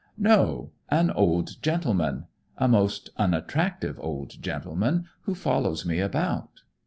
"No; an old gentleman. A most unattractive old gentleman, who follows me about."